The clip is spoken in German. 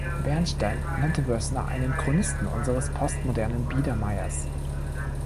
Bernstein nannte Wössner einen "Chronisten unseres postmodernen Biedermeiers".